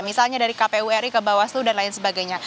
misalnya dari kpu ri ke bawaslu dan lain sebagainya